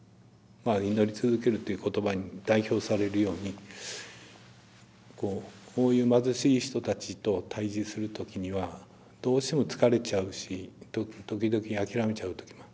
祈り続けるという言葉に代表されるようにこういう貧しい人たちと対じする時にはどうしても疲れちゃうし時々諦めちゃう時もある。